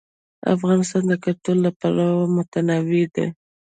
افغانستان د کلتور له پلوه متنوع دی.